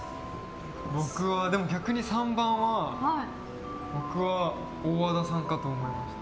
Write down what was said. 僕は逆に、３番は大和田さんかと思いました。